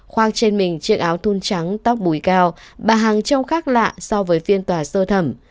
khoang trên mình chiếc áo thun trắng tóc bùi cao bà hàng trông khác lạ so với phiên tòa sơ thẩm